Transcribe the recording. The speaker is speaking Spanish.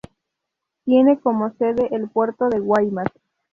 Tiene como sede el puerto de Guaymas.